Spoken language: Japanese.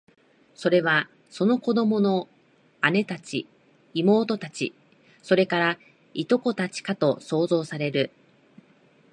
それは、その子供の姉たち、妹たち、それから、従姉妹たちかと想像される